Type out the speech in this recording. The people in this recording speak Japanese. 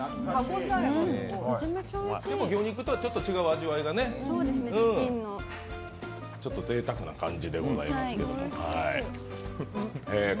魚肉とはちょっと違う味わいがね、ぜいたくな感じですけど。